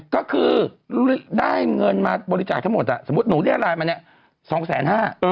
ก็คือได้เงินมาบริจาคทั้งหมดสมมุติหนูเรียกอะไรมาเนี่ยสองแสนห้า